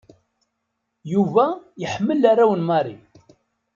Yuba yeḥmmel arraw n Marie.